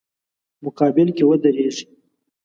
مقابل کې ودریږي.